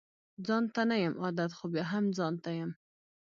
ځانته نه يم عادت خو بيا هم ځانته يم